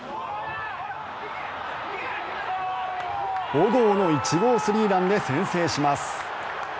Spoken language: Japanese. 小郷の１号スリーランで先制します。